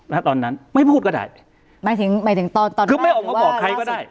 นะฮะตอนนั้นไม่พูดก็ได้หมายถึงหมายถึงตอนก็ไม่เอามาบอกใครก็ได้